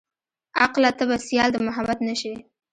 عقله ته به سيال د محبت نه شې.